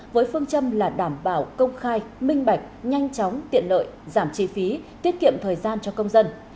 với phương châm là đảm bảo công khai minh bạch nhanh chóng tiện lợi giảm chi phí tiết kiệm thời gian cho công dân